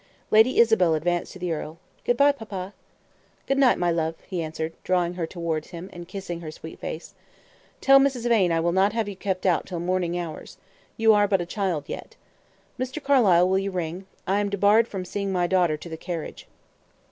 Lady Isabel advanced to the earl. "Good bye, papa." "Good night, my love," he answered, drawing her toward him, and kissing her sweet face. "Tell Mrs. Vane I will not have you kept out till morning hours. You are but a child yet. Mr. Carlyle, will you ring? I am debarred from seeing my daughter to the carriage."